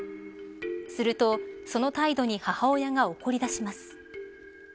すると、その態度に母親が怒り出します。